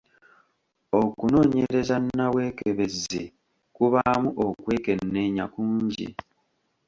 Okunoonyereza nnabwekebezzi kubaamu okwekenneenya kungi.